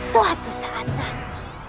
suatu saat saja